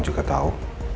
semua orang tahu